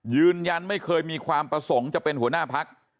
ยืนยันไม่เคยมีความประสงค์จะเป็นหัวหน้าพัก